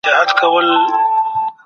تاسو باید خپل هیواد ته پاملرنه وکړئ.